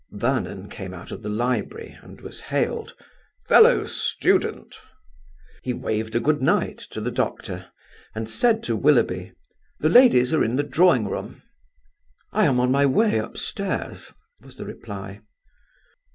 Vernon came out of the library and was hailed, "Fellow student!" He waved a good night to the Doctor, and said to Willoughby: "The ladies are in the drawing room." "I am on my way upstairs," was the reply.